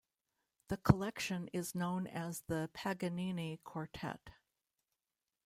The collection is known as the Paganini Quartet.